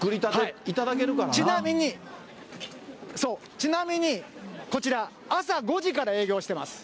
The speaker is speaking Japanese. ちなみにこちら、朝５時から営業してます。